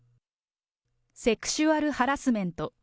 セクシュアル・ハラスメント。